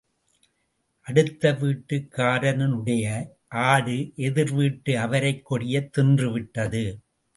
அடுத்த வீட்டுக்காரனுடைய ஆடு எதிர் வீட்டு அவரைக் கொடியைத் தின்றுவிட்டது.